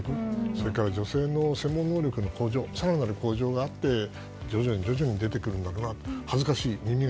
それから女性の専門能力の更なる向上があって徐々に出てくるんだろうなと。